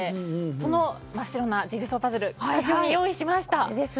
その真っ白なジグソーパズルスタジオに用意しました。